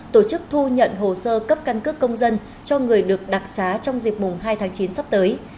tổ chức thu nhận hồ sơ cấp căn cước công dân cho người được đặc xá trong dịp mùng hai tháng chín sắp tới